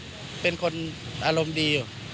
ก็เป็นคนอารมณ์ดีอยู่